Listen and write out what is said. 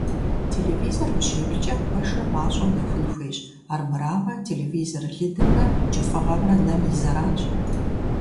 Телевизор ущеплъкӀэ пэшыр мащӀэу нэхун хуейщ, армырамэ телевизор лыдымрэ кӀыфӀыгъэмрэ нэм и зэранщ.